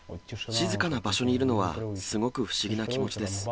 静かな場所にいるのはすごく不思議な気持ちです。